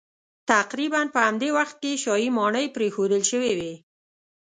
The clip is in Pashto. تقریبا په همدې وخت کې شاهي ماڼۍ پرېښودل شوې وې